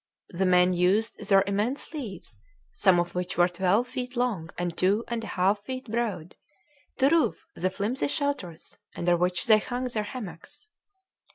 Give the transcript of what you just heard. The men used their immense leaves, some of which were twelve feet long and two and a half feet broad, to roof the flimsy shelters under which they hung their hammocks.